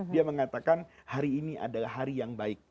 dia mengatakan hari ini adalah hari yang baik